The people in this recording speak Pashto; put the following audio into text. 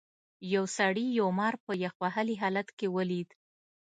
یو سړي یو مار په یخ وهلي حالت کې ولید.